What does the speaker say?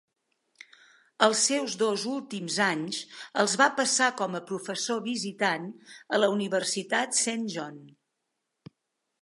Els seus dos últims anys els va passar com a professor visitant a la Universitat Saint John.